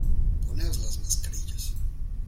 poneos las mascarillas.